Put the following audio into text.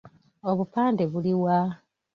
Obupande buli wa?